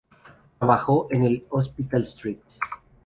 Trabajó en el "Hospital St.